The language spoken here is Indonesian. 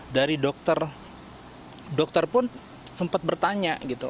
dari dokter dokter pun sempat bertanya gitu